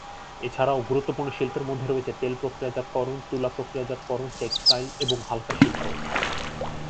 এছাড়াও গুরুত্বপূর্ণ শিল্পের মধ্যে রয়েছে তেল প্রক্রিয়াজাতকরণ, তুলা প্রক্রিয়াজাতকরণ, টেক্সটাইল এবং হালকা শিল্প।